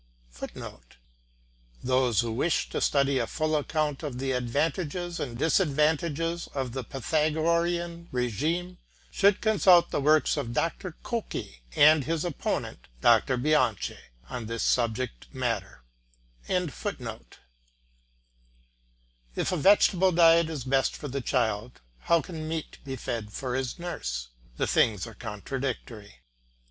[Footnote: Those who wish to study a full account of the advantages and disadvantages of the Pythagorean regime, may consult the works of Dr. Cocchi and his opponent Dr. Bianchi on this important subject.] If a vegetable diet is best for the child, how can meat food be best for his nurse? The things are contradictory.